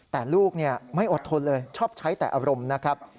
แต่ลูกไม่อดทนเลยชอบใช้แต่อารมณ์นะครับ